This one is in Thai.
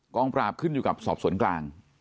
งปราบขึ้นอยู่กับสอบสวนกลาง